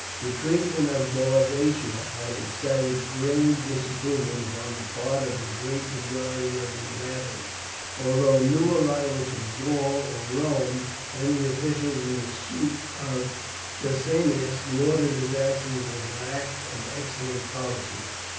The treatment of Boadicea had excited grave disapproval upon the part of the great majority of the inhabitants, although new arrivals from Gaul or Rome and the officials in the suite of Decianus lauded his action as an act of excellent policy.